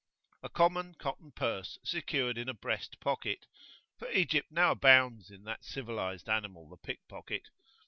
A common cotton purse secured in a breast pocket (for Egypt now abounds in that civilised animal, the pick pocket!)